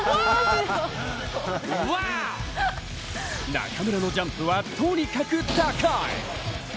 中村のジャンプはとにかく高い！